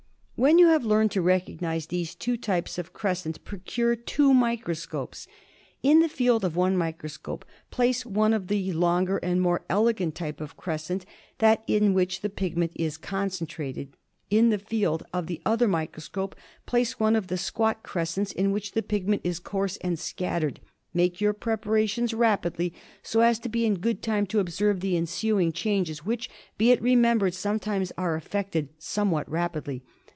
When you have learned to recognise these two types of crescent, procure two microscopes. In the field of one microscope place one of the longer and more elegant type of crescent, that in which the pigment is concentrated ; in the field of the other microscope place one of the squat crescents in which the pigment is coarse and scattered. Make your preparations rapidly, so as to be in good time to observe the ensuing changes, which, be it remembered, sometimes are effected somewhat rapidly.